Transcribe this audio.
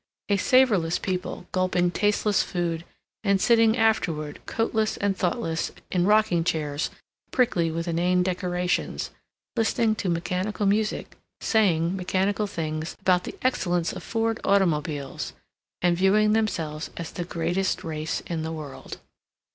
A savorless people, gulping tasteless food, and sitting afterward, coatless and thoughtless, in rocking chairs prickly with inane decorations, listening to mechanical music, saying mechanical things about the excellence of Ford automobiles, and viewing themselves as the greatest race in the world.